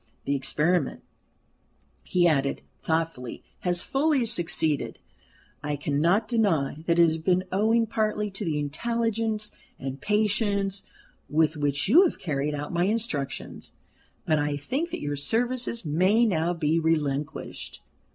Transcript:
The experiment," he added, thoughtfully, "has fully succeeded. I cannot deny that it has been owing partly to the intelligence and patience with which you have carried out my instructions. But I think that your services may now be relinquished."